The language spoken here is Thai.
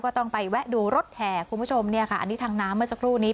ต้องไปแวะดูรถแห่คุณผู้ชมเนี่ยค่ะอันนี้ทางน้ำเมื่อสักครู่นี้